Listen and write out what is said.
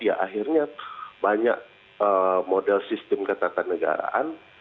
ya akhirnya banyak model sistem ketata negaraan